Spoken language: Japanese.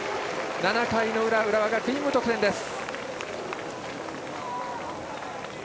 ７回の裏、浦和学院、無得点です。